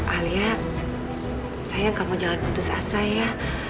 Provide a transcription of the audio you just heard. alia sayang kamu jangan putus asa ya